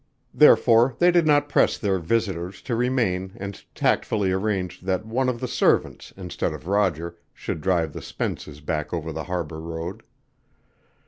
Therefore they did not press their visitors to remain and tactfully arranged that one of the servants instead of Roger should drive the Spences back over the Harbor Road.